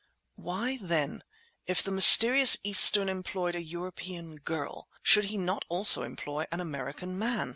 Why, then, if the mysterious Eastern employed a European girl, should he not also employ an American man?